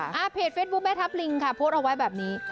เพจเฟซบุ๊คแม่ทับลิงค่ะโพสต์เอาไว้แบบนี้